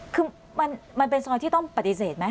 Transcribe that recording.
คือมันเป็นซอยที่ต้องปฏิเสธไหม